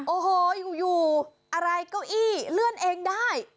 โอ้โหอยู่อะไรเก้าอี้เลื่อนเองได้